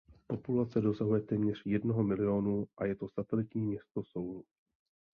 Populace dosahuje téměř jednoho milionu a je to satelitní město Soulu.